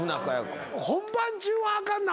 本番中はあかんな。